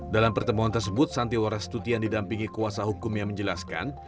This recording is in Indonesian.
dalam pertemuan tersebut santiwarastuti yang didampingi kuasa hukum yang menjelaskan